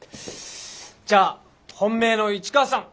じゃあ本命の市川さん